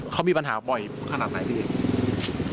เขามีปัญหาบ่อยขนาดนั้น